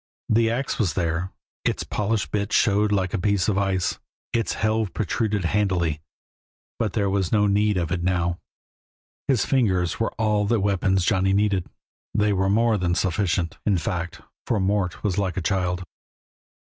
The ax was there, its polished bit showed like a piece of ice, its helve protruded handily, but there was no need of it now; his fingers were all the weapons Johnny needed; they were more than sufficient, in fact, for Mort was like a child.